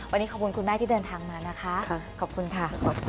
วันนี้ขอบคุณคุณแม่ที่เดินทางมานะคะขอบคุณค่ะ